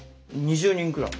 ２０人くらい。